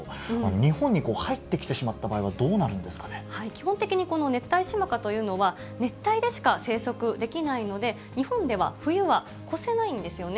日本に入ってきてしまった場合は基本的にこのネッタイシマカというのは、熱帯でしか生息できないので、日本では冬は越せないんですよね。